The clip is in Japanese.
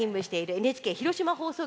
ＮＨＫ広島放送局